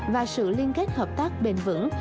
và sự liên kết hợp tác bền vững